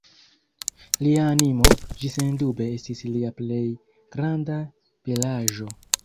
Lia animo, ĝi sendube estis lia plej granda belaĵo!